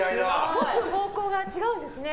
立つ方向が違うんですね。